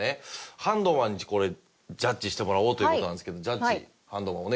ハンドマンにこれジャッジしてもらおうという事なんですけどジャッジハンドマンお願いします。